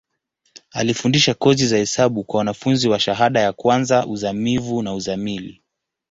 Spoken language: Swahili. Alifundisha kozi za hesabu kwa wanafunzi wa shahada ka kwanza, uzamivu na uzamili.